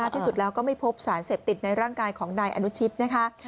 ที่สุดแล้วก็ไม่พบสารเสพติดในร่างกายของนายอนุชิตนะคะ